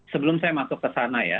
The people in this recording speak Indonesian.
sebelum saya masuk ke sana ya